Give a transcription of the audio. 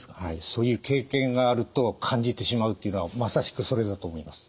そういう経験があると感じてしまうっていうのはまさしくそれだと思います。